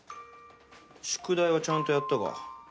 宿題はちゃんとやったか？